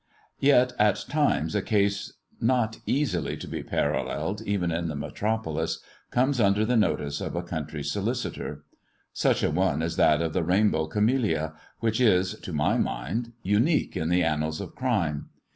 Yet at times a case not easily to be paralleled, even in the metropolis, comes under the notice of a country solicitor. Such a one is that of the Bainbow Camellia, which is, to my mind, unique in the annals of crime.